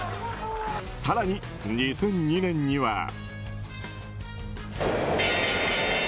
更に２００２年には。